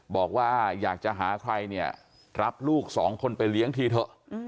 บอกว่าอยากจะหาใครเนี่ยรับลูกสองคนไปเลี้ยงทีเถอะ